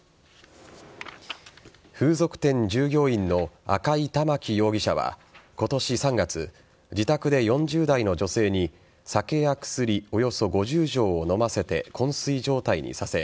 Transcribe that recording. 風俗店従業員の赤井環容疑者は今年３月、自宅で４０代の女性に酒や薬およそ５０錠を飲ませて昏睡状態にさせ